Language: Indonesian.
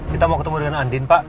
kita mau ketemu dengan andin pak